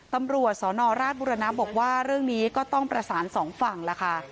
ตำรวจสนราชบุรณะบอกว่าเรื่องนี้ก็ต้องประสานสองฝั่งล่ะค่ะ